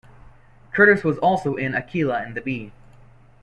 Curtis was also in "Akeelah and the Bee".